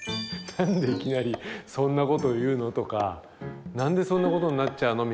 「何でいきなりそんなこと言うの？」とか「何でそんなことになっちゃうの？」